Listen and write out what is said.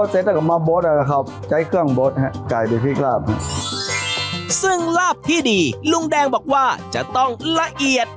ซึ่งลาบที่ดีลุงแดงบอกว่าจะต้องละเอียด